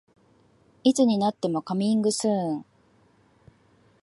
いつになってもカミングスーン